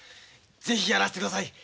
ぜひやらせて下さい。